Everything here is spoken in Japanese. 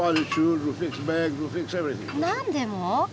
何でも？